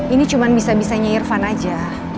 ini cuma bisa bisanya irfan aja